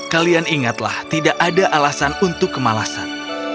kalian ingatlah tidak ada alasan untuk kemalasan